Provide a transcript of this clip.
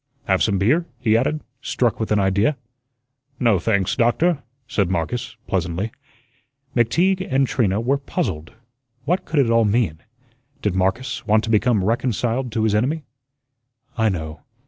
"Have some beer?" he added, struck with an idea. "No, thanks, Doctor," said Marcus, pleasantly. McTeague and Trina were puzzled. What could it all mean? Did Marcus want to become reconciled to his enemy? "I know."